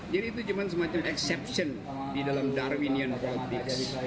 jadi itu cuma semacam exception di dalam darwinian politics